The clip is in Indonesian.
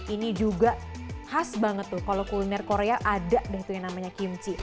ini juga khas banget tuh kalau kuliner korea ada deh tuh yang namanya kimchi